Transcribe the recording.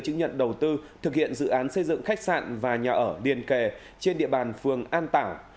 chứng nhận đầu tư thực hiện dự án xây dựng khách sạn và nhà ở liền kề trên địa bàn phường an tảo